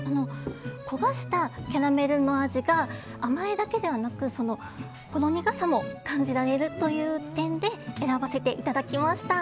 焦がしたキャラメルの味が甘いだけではなくほろ苦さも感じられるという点で選ばせていただきました。